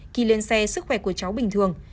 khi lên xe sức khỏe của cháu bình thường